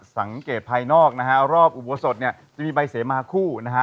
สังเกตภายนอกนะฮะรอบอุโบสถเนี่ยจะมีใบเสมาคู่นะฮะ